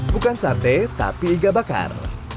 bukan sate tapi iga bakar